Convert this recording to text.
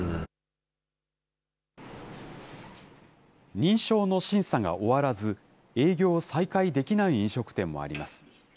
認証の審査が終わらず、営業を再開できない飲食店もあります。